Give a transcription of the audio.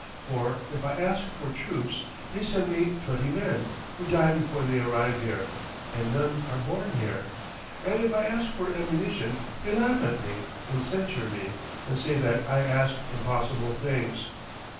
For, if I ask for troops, they send me twenty men, who die before they arrive here, and none are born here. And if I ask for ammunition, they laugh at me and censure me, and say that I ask impossible things.